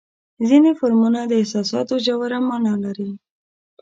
ځینې فلمونه د احساساتو ژوره معنا لري.